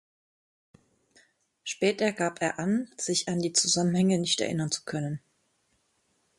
Später gab er an, sich an die Zusammenhänge nicht erinnern zu können.